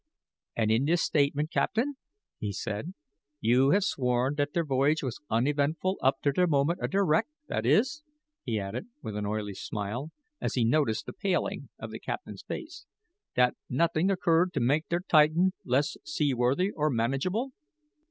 "And in this statement, captain," he said, "you have sworn that der voyage was uneventful up to der moment of der wreck that is," he added, with an oily smile, as he noticed the paling of the captain's face "that nothing occurred to make der Titan less seaworthy or manageable?"